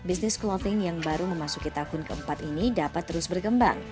bisnis clothing yang baru memasuki tahun keempat ini dapat terus berkembang